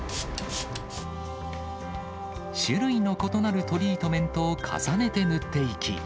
種類の異なるトリートメントを重ねて塗っていき。